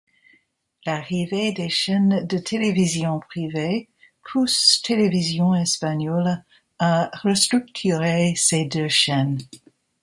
L'arrivée des chaînes de télévision privées pousse Televisión Española à restructurer ses deux chaînes.